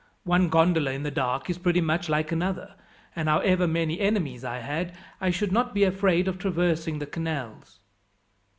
One gondola in the dark is pretty much like another, and however many enemies I had, I should not be afraid of traversing the canals."